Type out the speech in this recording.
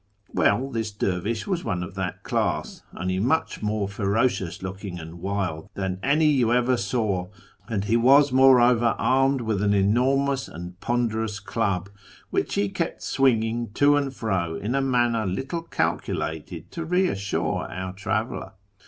Well, this dervish was one of that class, only much more ill ferocious looking and wild than any you ever saw; and he i was moreover armed with an enormous and ponderous club, which he kept swinging to and fro in a manner little calculated to re assure our traveller.